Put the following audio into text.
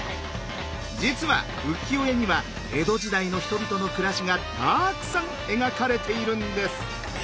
実は浮世絵には江戸時代の人々の暮らしがたくさん描かれているんです。